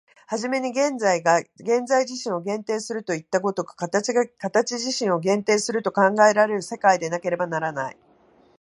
始めに現在が現在自身を限定するといった如く、形が形自身を限定すると考えられる世界でなければならない。